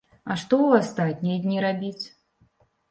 А што ў астатнія дні рабіць?